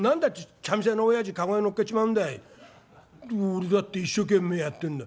「俺だって一生懸命やってんだ」。